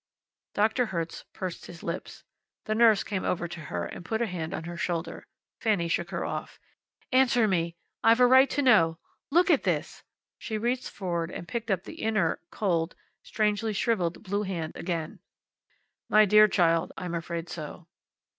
Doctor Hertz pursed his lips. The nurse came over to her, and put a hand on her shoulder. Fanny shook her off. "Answer me. I've got a right to know. Look at this!" She reached forward and picked up that inert, cold, strangely shriveled blue hand again. "My dear child I'm afraid so."